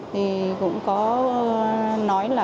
thì cũng có nói là